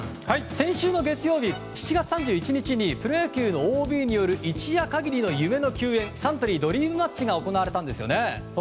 先週の月曜日、７月３１日にプロ野球のＯＢによる一夜限りの夢の球宴サントリードリームマッチが行われたんですよね。